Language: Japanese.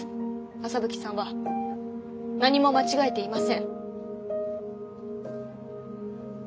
麻吹さんは。何も間違えていません。